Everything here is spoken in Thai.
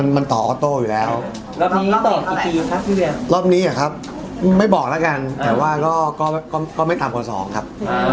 ลำนี้ครับไม่บอกอกันแต่ไม่ตัมคน๒ครับ